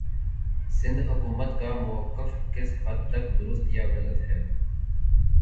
سندھ حکومت کا موقفکس حد تک درست یا غلط ہے